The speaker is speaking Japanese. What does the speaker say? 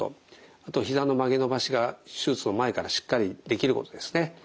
あとひざの曲げ伸ばしが手術の前からしっかりできることですね。